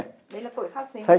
đấy là tội sát sinh